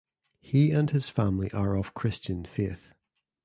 He and his family are of Christian faith.